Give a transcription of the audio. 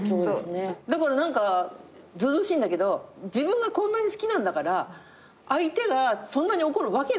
だから何かずうずうしいんだけど自分がこんなに好きなんだから相手がそんなに怒るわけがないって思っちゃう。